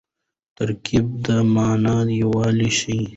ترکیب د مانا یووالی ښيي.